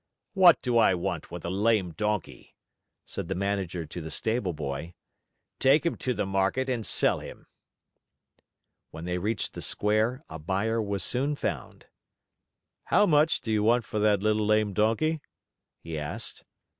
"What do I want with a lame donkey?" said the Manager to the stableboy. "Take him to the market and sell him." When they reached the square, a buyer was soon found. "How much do you ask for that little lame Donkey?" he asked.